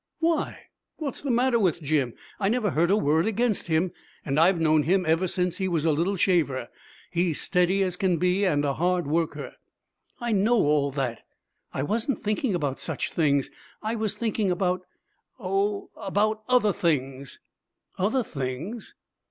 Why, what's the matter with Jim? I never heard a word against him and I've known him ever since he was a little shaver. He's steady as can be, and a hard worker.' 'I know all that. I wasn't thinking about such things. I was thinking about oh, about other things.' 'Other things?